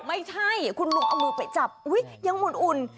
ไม่ใช่คุณลุงเอามือไปจับอุ๊ยยังอุ่น